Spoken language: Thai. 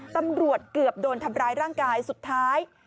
ตำรวจเกือบโดนทำร้ายร่างกายสุดท้าย